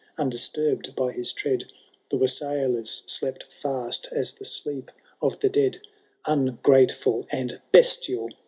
Undisturbed by his tread. The wassailers slept fast as the sleep of the dead :Ungrateful and bestial